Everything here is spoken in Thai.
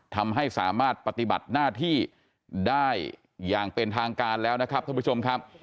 ทำให้สามารถปฏิบัติหน้าที่ได้อย่างเป็นทางการแล้วนะครับท่านผู้ชมครับ